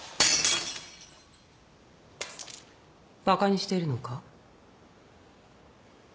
バカにしてるのか？